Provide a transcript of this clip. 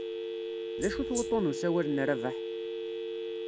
D acu-t wuḍḍun n usawal n Rabaḥ?